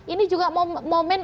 ini juga momen